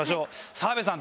澤部さん